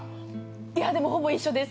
いやでもほぼ一緒です。